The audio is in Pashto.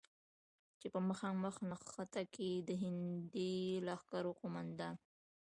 چې په مخامخ نښته کې د هندي لښکرو قوماندان،